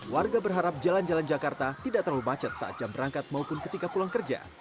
warga berharap jalan jalan jakarta tidak terlalu macet saat jam berangkat maupun ketika pulang kerja